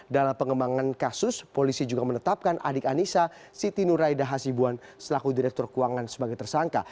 dalam pengembangan kasus polisi juga menetapkan adik anissa siti nuraida hasibuan selaku direktur keuangan sebagai tersangka